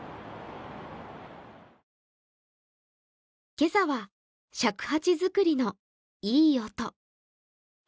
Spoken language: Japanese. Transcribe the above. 今朝は尺八作りのいい音。